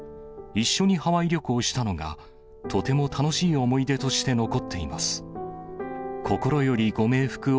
一緒にハワイ旅行したのがとても楽しい思い出として残っています。